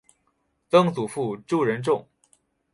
曾祖父朱仁仲。